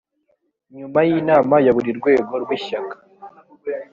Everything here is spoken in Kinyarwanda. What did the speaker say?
nyuma y inama ya buri rwego rw ishyaka